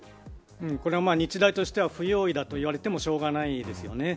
これは日大としては不用意だと言われてもしょうがないですよね。